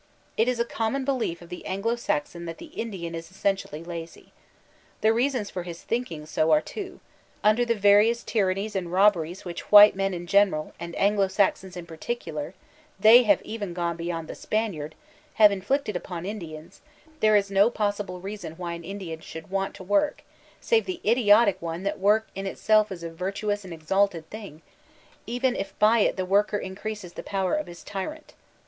It is a common belief of the Anglo Saxon that the Indian is essentially lazy. The reasons for his thinking so are two: under the various tyrannies and robberies which white men in general, and Anglo Saxons in particular (they have even gone beyond the Spaniard) have in flicted upon Indians, there is no possible reason why an Indian should want to work, save the idiotic one that work in itself is a virtuous and exalted thing, even if by it the worker increases the power of his tyrant.